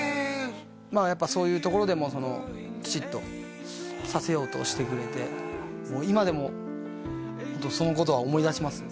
まあやっぱそういうところでもきちっとさせようとしてくれてもう今でもホントそのことは思い出します